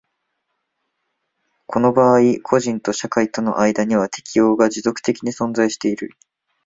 この場合個人と社会との間には適応が持続的に存在している。